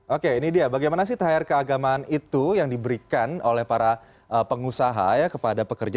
oke ini dia bagaimana sih thr keagamaan itu yang diberikan oleh para pengusaha ya kepada pekerja